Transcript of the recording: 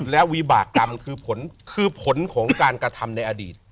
และวิบากรรมคือผลคือผลของการกระทำในอดีต